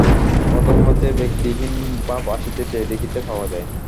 প্রথম হইতেই ব্যক্তিহীন ভাব আসিতেছে, দেখিতে পাওয়া যায়।